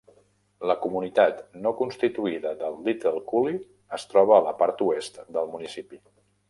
La comunitat no constituïda de Liitle Cooley es troba a la part oest del municipi.